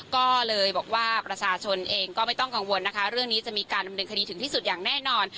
ก็เลยบอกว่าประชาชนเองก็ไม่ต้องกังวลนะคะเรื่องนี้จะมีการดำเนินคดีถึงที่สุดอย่างแน่นอน